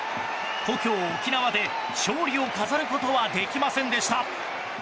故郷・沖縄で勝利を飾ることはできませんでした。